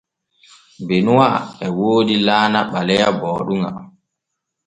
Benuwa e woodi laana ɓaleya booɗuŋa.